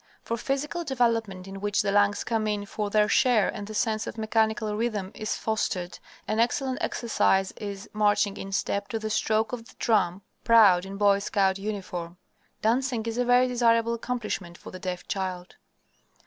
For physical development in which the lungs come in for their share and the sense of mechanical rhythm is fostered, an excellent exercise is marching in step to the stroke of the drum, proud in Boy Scout uniform. Dancing is a very desirable accomplishment for the deaf child.